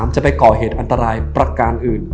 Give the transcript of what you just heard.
จะไปก่อเหตุอันตรายประการอื่น